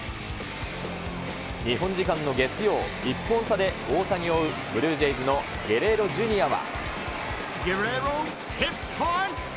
日本時間の月曜、１本差で大谷を追う、ブルージェイズのゲレーロＪｒ．は。